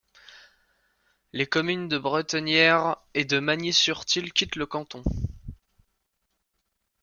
Les communes de Bretenières et de Magny-sur-Tille quittent le canton.